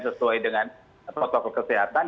sesuai dengan protokol kesehatan